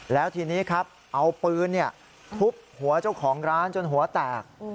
แล้วทีนี้ครับเอาปืนทุบหัวเจ้าของร้านจนหัวแตก